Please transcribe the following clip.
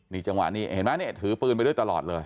นี่จังหวะนี้เห็นไหมนี่ถือปืนไปด้วยตลอดเลย